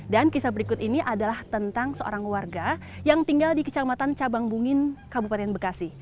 dan kisah berikut ini adalah tentang seorang warga yang tinggal di kecamatan cabang bungin kabupaten bekasi